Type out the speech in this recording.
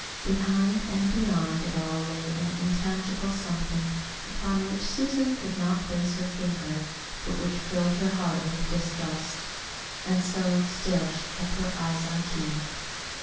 Behind and beyond it all lay an intangible something upon which Susan could not place her finger, but which filled her heart with distrust. And so still she kept her eyes on Keith.